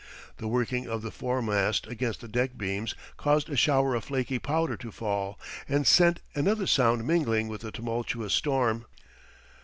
The working of the foremast against the deck beams caused a shower of flaky powder to fall, and sent another sound mingling with the tumultuous storm.